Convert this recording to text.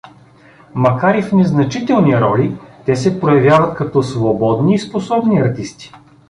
Макар и в незначителни роли, те се проявяват като свободни и способни артисти.